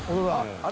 あれ？